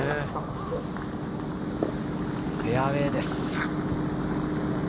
フェアウエーです。